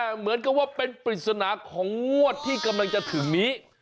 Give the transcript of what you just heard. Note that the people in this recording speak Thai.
เหมือนกับว่าเป็นปริศนาของงวดที่กำลังจะถึงนี้